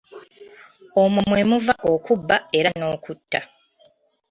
Omwo mwe muva okubba era n'okutta.